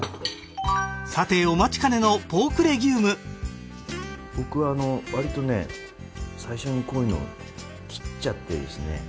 さてお待ちかねのポークレギューム僕はあのわりとね最初にこういうのを切っちゃってですね